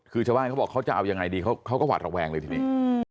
คือเฉพาะเขาจะเอายังไงดีเขาก็หวัดหวังแวงเลยทีนี้